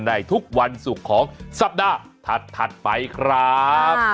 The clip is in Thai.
ในทุกวันศุกร์ของสัปดาห์ถัดไปครับ